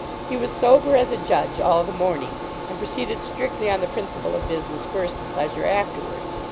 He was sober as a judge all the morning, and proceeded strictly on the principle of business first, and pleasure afterward.